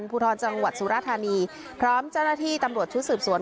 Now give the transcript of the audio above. ภูทรจังหวัดสุรธานีพร้อมเจ้าหน้าที่ตำรวจชุดสืบสวน